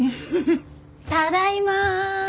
ただいま。